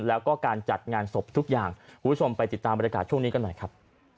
แล้วก็การจัดงานศพทุกอย่างคุณผู้ชมไปติดตามบรรยากาศช่วงนี้กันหน่อยครับ